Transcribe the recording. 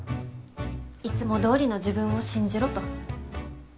いつもどおりの自分を信じろと。